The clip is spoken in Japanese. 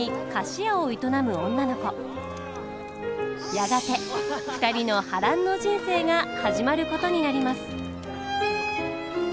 やがて２人の波乱の人生が始まることになります。